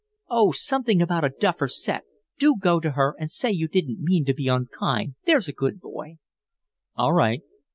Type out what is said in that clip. "Oh, something about a duffer's set. Do go to her, and say you didn't mean to be unkind, there's a good boy." "All right."